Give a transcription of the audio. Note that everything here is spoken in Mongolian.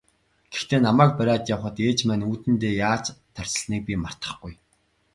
Гэхдээ намайг бариад явахад ээж маань үүдэндээ яаж тарчилсныг би мартахгүй.